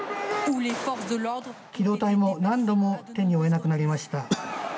機動隊も何度も手に負えなくなりました。